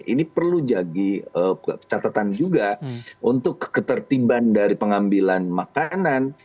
ini perlu jadi catatan juga untuk ketertiban dari pengambilan makanan